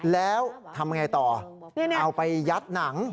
แล้วทำยังไงต่อเอาไปยัดหนัง